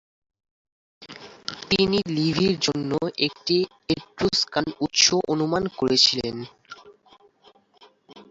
তিনি লিভির জন্য একটি এট্রুসকান উৎস অনুমান করেছিলেন।